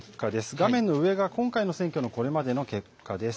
画面の上が今回の選挙のこれまでの結果です。